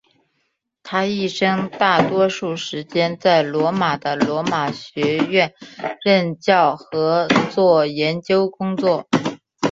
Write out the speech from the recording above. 他一生大多数时间在罗马的罗马学院任教和做研究工作。